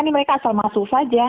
ini mereka asal masuk saja